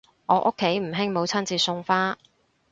我屋企唔興母親節送花